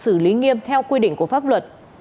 sử lý nghiêm theo quy định của pháp luật